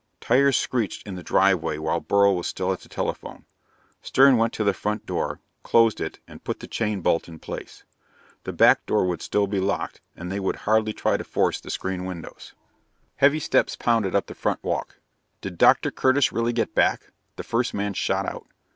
Tires screeched in the driveway while Beryl was still at the telephone. Stern went to the front door, closed it and put the chain bolt in place. The back door would still be locked and they would hardly try to force the screen windows. Heavy steps pounded up the front walk. "Did Dr. Curtis really get back?" The first man shot out.